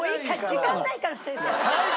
時間ないから先生。